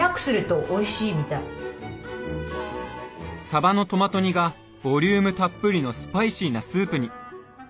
さばのトマト煮がボリュームたっぷりのスパイシーなスープに。